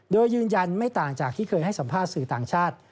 โดยยืนยันไม่ต่างจากที่เคยให้สัมภาษณ์สื่อต่างชาติ